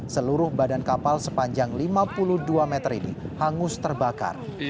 seluruh badan kapal sepanjang lima puluh dua meter ini hangus terbakar